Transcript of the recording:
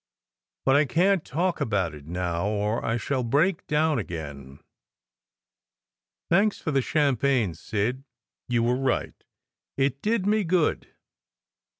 "But I can t talk about it now, or I shall break down again. Thanks for the champagne, Sid. You were right; it did me good.